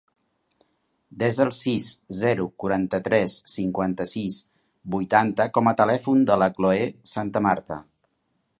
Desa el sis, zero, quaranta-tres, cinquanta-sis, vuitanta com a telèfon de la Cloè Santamarta.